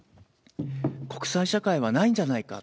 国際社会はないんじゃないか。